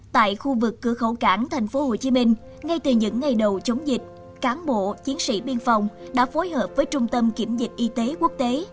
tại khu vực cửa khẩu cảng tp hcm ngay từ những ngày đầu chống dịch cán bộ chiến sĩ biên phòng đã phối hợp với trung tâm kiểm dịch y tế quốc tế